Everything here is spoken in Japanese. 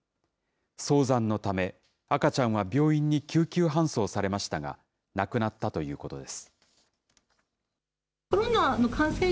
早産のため、赤ちゃんは病院に救急搬送されましたが、亡くなったということです。